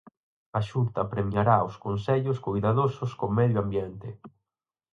A Xunta premiará os concellos coidadosos co medio ambiente.